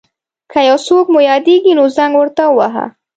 که یو څوک مو یاديږي نو زنګ ورته وواهه.